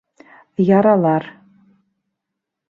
Яралар.